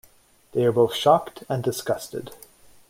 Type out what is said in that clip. They are both shocked and disgusted.